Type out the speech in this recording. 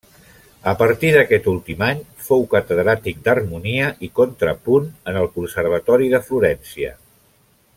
A partir d'aquest últim any fou catedràtic d'harmonia i contrapunt en el Conservatori de Florència.